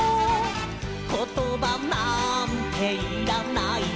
「ことばなんていらないさ」